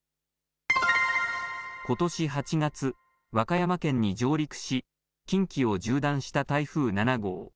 ことし８月、和歌山県に上陸し近畿を縦断した台風７号。